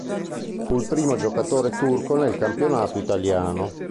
Fu il primo giocatore turco nel campionato italiano.